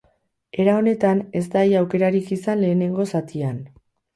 Era honetan, ez da ia aukerarik izan lehenengo zatian.